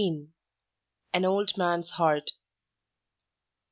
XIII. AN OLD MAN'S HEART.